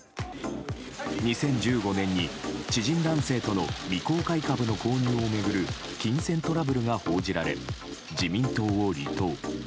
２０１５年に知人男性との未公開株の購入を巡る金銭トラブルが報じられ自民党を離党。